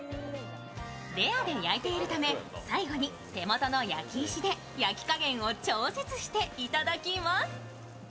レアで焼いているため、最後に手元の焼き石で焼き加減を調節していただきます。